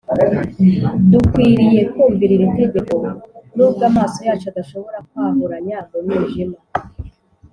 dukwiriye kumvira iri tegeko nubwo amaso yacu adashobora kwahuranya mu mwijima